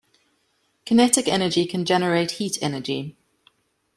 Kinetic energy can generate heat energy.